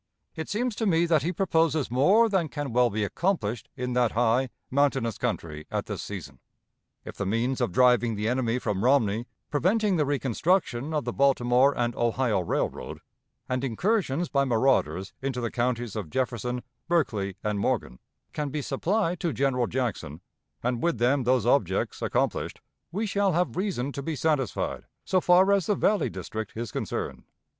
It seems to me that he proposes more than can well be accomplished in that high, mountainous country at this season. If the means of driving the enemy from Romney (preventing the reconstruction of the Baltimore and Ohio Railroad, and incursions by marauders into the counties of Jefferson, Berkeley, and Morgan) can be supplied to General Jackson, and with them those objects, accomplished, we shall have reason to be satisfied, so far as the Valley district is concerned.